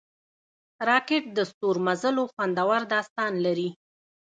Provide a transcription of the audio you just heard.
راکټ د ستورمزلو خوندور داستان لري